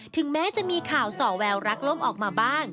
ถึงแม้จะมีข่าวส่อแววรักล่มออกมาบ้าง